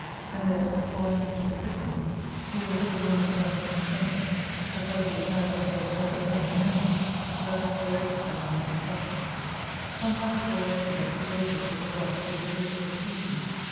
And there, before and after the christening; we were with the woman above in her chamber; but whether we carried ourselves well or ill, I know not; but I was directed by young Mrs. Batten. One passage of a lady that eat wafers with her dog did a little displease me.